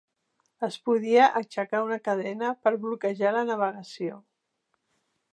Es podia aixecar una cadena per bloquejar la navegació.